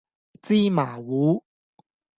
芝麻糊